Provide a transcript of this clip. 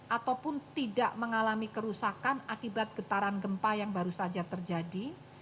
ataupun tidak mengalami kerusakan akibat getaran gempa yang baru saja terjadi